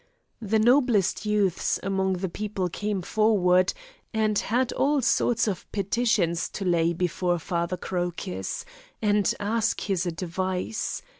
The noblest youths among the people came forward, and had all sorts of petitions to lay before Father Crocus, and ask his advice.